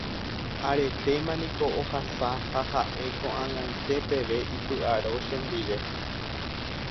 aretéma niko ohasa ha ha'e ko'ag̃aite peve ipy'aro chendive